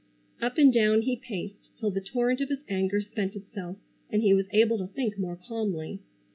Up and down he paced till the torrent of his anger spent itself, and he was able to think more calmly.